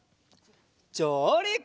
じょうりく！